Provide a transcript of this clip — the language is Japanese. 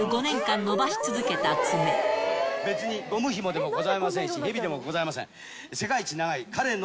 別にゴムひもでもございませんし、ヘビでもございません。